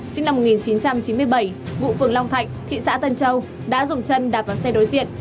sinh năm một nghìn chín trăm chín mươi bảy ngụ phường long thạnh thị xã tân châu đã dùng chân đạp vào xe đối diện